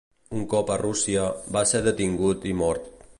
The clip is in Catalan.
Un cop a Rússia, va ser detingut i mort.